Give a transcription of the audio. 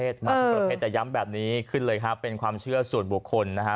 แต่ย้ำแบบนี้ขึ้นเลยครับเป็นความเชื่อสูตรบุคคลนะฮะ